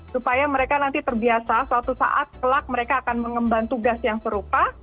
supaya mereka nanti terbiasa suatu saat kelak mereka akan mengemban tugas yang serupa